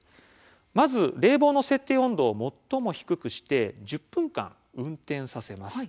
まず冷房の設定温度を最も低くして１０分間、運転させます。